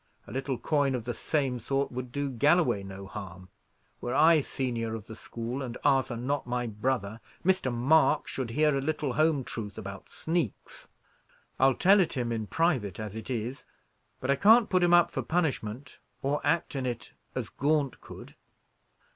A little coin of the same sort would do Galloway no harm. Were I senior of the school, and Arthur not my brother, Mr. Mark should hear a little home truth about sneaks. I'll tell it him in private, as it is; but I can't put him up for punishment, or act in it as Gaunt could."